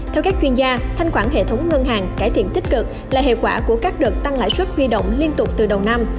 theo các chuyên gia thanh quản hệ thống ngân hàng cải thiện tích cực là hiệu quả của các đợt tăng lãi suất huy động liên tục từ đầu năm